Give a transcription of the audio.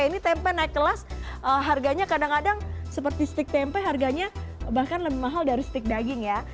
ini tempe naik kelas harganya kadang kadang seperti stik tempe harganya bahkan lebih mahal dari stik daging ya